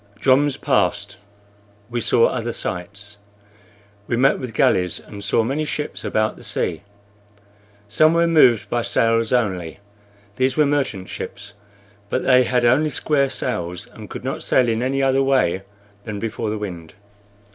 Joms passed. We saw other sights; we met with galleys and saw many ships about the sea. Some were moved by sails only; these were merchant ships, but they had only square sails, and could not sail in any other way than before the wind.